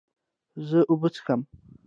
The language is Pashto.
زه اوبه څښم